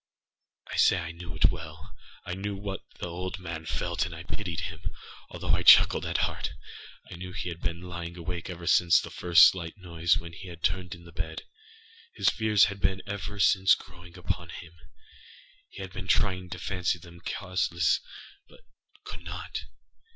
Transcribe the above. I say I knew it well. I knew what the old man felt, and pitied him, although I chuckled at heart. I knew that he had been lying awake ever since the first slight noise, when he had turned in the bed. His fears had been ever since growing upon him. He had been trying to fancy them causeless, but could not.